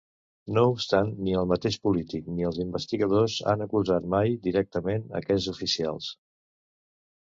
No obstant, ni el mateix polític ni els investigadors han acusat mai directament aquests oficials.